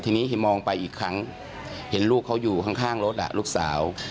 ทีนี้มองไปอีกครั้งเห็นลูกเขาอยู่ข้างรถลูกสาว